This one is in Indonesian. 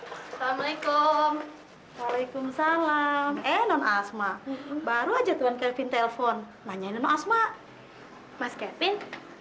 assalamualaikum waalaikumsalam enon asma baru aja tuhan kevin telepon nanya asma mas kevin